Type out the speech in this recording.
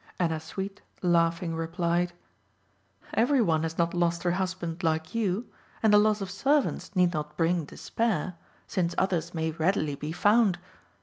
Ennasuite laughing replied "Every one has not lost her husband like you, and the loss of servants need not bring despair, since others may readily be found.